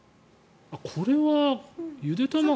これは、ゆで卵。